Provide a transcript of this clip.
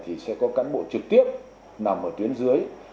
thì sẽ có cán bộ trực tiếp nằm ở tuyến dưới